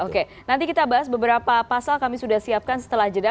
oke nanti kita bahas beberapa pasal kami sudah siapkan setelah jeda